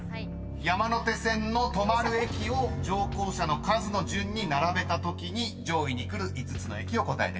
［山手線の止まる駅を乗降者の数の順に並べたときに上位にくる５つの駅を答えてください］